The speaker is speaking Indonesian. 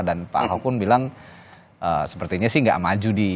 dan pak ahok pun bilang sepertinya sih tidak maju di